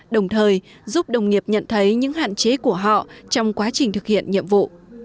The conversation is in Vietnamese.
đồng thời giúp đồng nghiệp nhận thấy những hạn chế của họ trong quá trình thực hiện nhiệm vụ